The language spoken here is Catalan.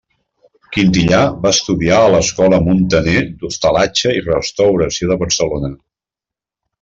Quintillà va estudiar a l'Escola Muntaner d'Hostalatge i Restauració de Barcelona.